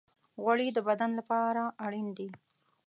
غوړې د بدن لپاره اړین دي.